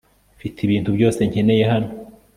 mfite ibintu byose nkeneye hano